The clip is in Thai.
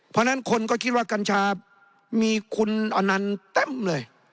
เพราะฉะนั้นคนก็คิดว่ากัญชามีคุณอนันต์เต็มเลย